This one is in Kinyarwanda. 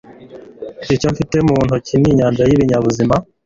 Icyo mfite mu ntoki ni inyanja y’ibinyabuzima.